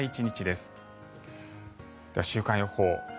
では週間予報。